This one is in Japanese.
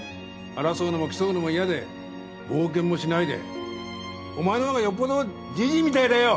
争うもの競うのも嫌で冒険もしないでお前のほうがよっぽどじじいみたいだよ！